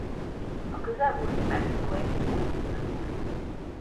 A közelmúltig Mexikó egyik jelképe volt.